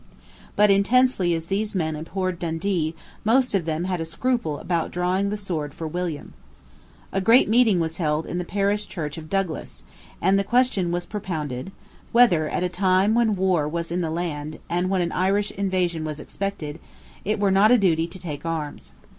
But, intensely as these men abhorred Dundee, most of them had a scruple about drawing the sword for William. A great meeting was held in the parish church of Douglas; and the question was propounded, whether, at a time when war was in the land, and when an Irish invasion was expected, it were not a duty to take arms.